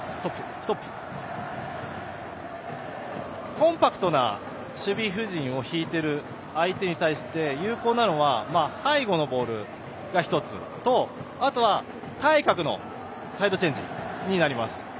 コンパクトな守備布陣を敷いている相手に対して、有効なのは背後のボールが１つとあとは対角のサイドチェンジになります。